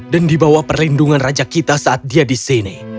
dan dibawa perlindungan raja kita saat dia di sini